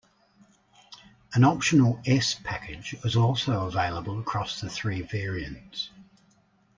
An optional S Package is also available across the three variants.